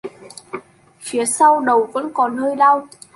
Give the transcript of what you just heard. Phía sau đầu vẫn còn hơi đau